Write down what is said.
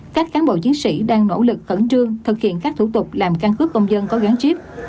các cán bộ chiến sĩ đang nỗ lực cẩn trương thực hiện các thủ tục làm căn cứ công dân có gán chiếp